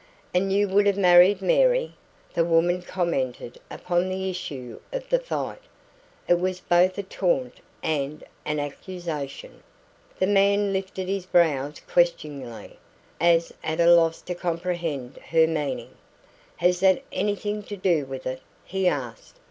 "And you would have married MARY!" the woman commented upon the issue of the fight. It was both a taunt and an accusation. The man lifted his brows questioningly, as at a loss to comprehend her meaning. "Has that anything to do with it?' he asked.